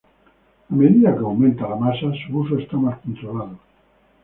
A medida que aumenta la masa, su uso está más controlado.